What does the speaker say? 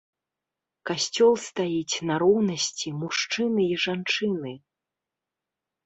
Касцёл стаіць на роўнасці мужчыны і жанчыны.